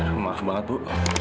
aduh maaf banget bu